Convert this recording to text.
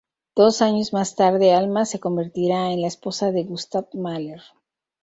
Dos años más tarde, Alma se convertirá en la esposa de Gustav Mahler.